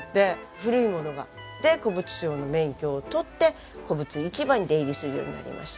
古いものが。で古物商の免許を取って古物市場に出入りするようになりました。